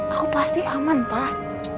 aku pasti aman pak